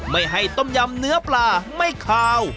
ไม่ให้ต้มยำเนื้อปลาไม่คาว